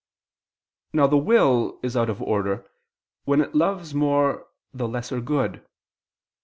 Now the will is out of order when it loves more the lesser good.